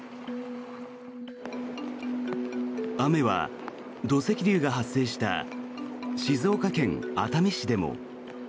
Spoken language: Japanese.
雨は土石流が発生した静岡県熱海市でも。